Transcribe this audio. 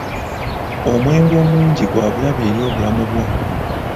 Omwenge omungi gwa bulabe eri obulamu bwo.